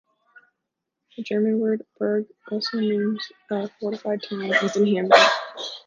The German word "Burg" also means "a fortified town", as in Hamburg.